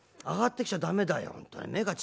上がってきちゃ駄目だよ